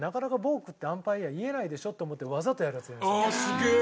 すげえ！